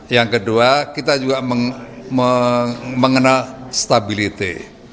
yang kedua kita juga mengenal stability